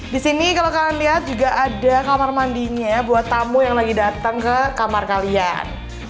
di sini kalau kalian lihat juga ada kamar mandinya buat tamu yang lagi datang ke kamar kalian